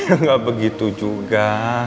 enggak begitu juga